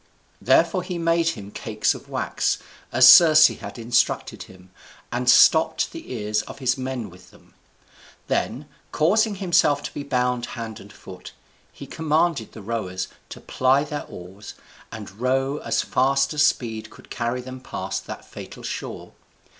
Therefore he made him cakes of wax, as Circe had instructed him, and stopped the ears of his men with them; then causing himself to be bound hand and foot, he commanded the rowers to ply their oars and row as fast as speed could carry them past that fatal shore.